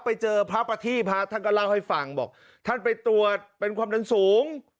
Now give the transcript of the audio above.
ไปเจอพระประทีพระท่านก็เล่าให้ฟังบอกท่านไปตรวจเป็นความดันสูง